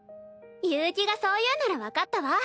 悠希がそう言うなら分かったわ。